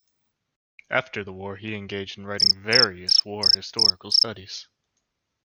After the war he engaged in writing various war-historical studies.